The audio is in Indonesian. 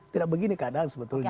tidak begini kadang sebetulnya